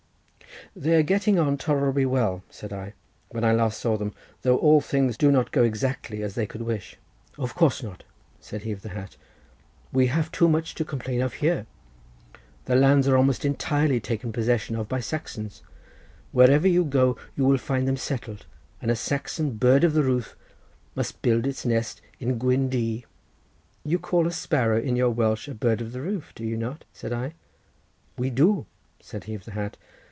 "They were getting on tolerably well," said I, "when I last saw them, though all things do not go exactly as they could wish." "Of course not," said he of the hat. "We too have much to complain of here; the lands are almost entirely taken possession of by Saxons, wherever you go you will find them settled, and a Saxon bird of the roof must build its nest in Gwyn dŷ." "You call a sparrow in your Welsh a bird of the roof, do you not?" said I. "We do," said he of the hat.